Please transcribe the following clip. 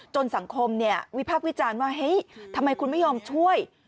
สังคมวิพากษ์วิจารณ์ว่าเฮ้ยทำไมคุณไม่ยอมช่วย